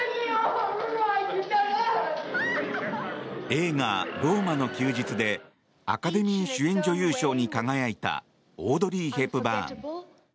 映画「ローマの休日」でアカデミー主演女優賞に輝いたオードリー・ヘプバーン。